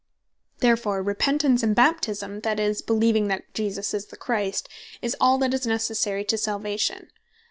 Therefore Repentance, and Baptisme, that is, beleeving that Jesus Is The Christ, is all that is Necessary to Salvation.